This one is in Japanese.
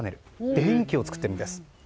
電気を作っているんです。